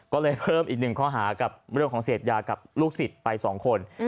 ก็เลยเพิ่มอีกหนึ่งข้อหากับเรื่องของเสพยากับลูกศิษย์ไป๒คน